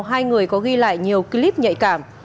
hai người có ghi lại nhiều clip nhạy cảm